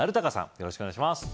よろしくお願いします